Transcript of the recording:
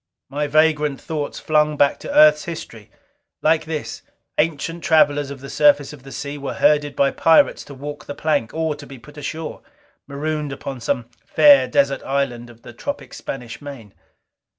My vagrant thoughts flung back into Earth's history. Like this, ancient travelers of the surface of the sea were herded by pirates to walk the plank, or be put ashore, marooned upon some fair desert island of the tropic Spanish main.